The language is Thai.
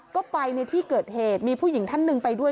ก็ไปในที่เกิดเหตุมีผู้หญิงท่านหนึ่งไปด้วย